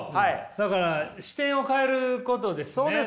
だから視点を変えることですね。